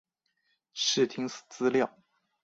视听资料